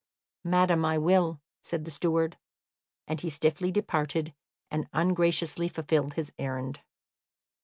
"Madam, I will," said the steward; and he stiffly departed, and ungraciously fulfilled his errand.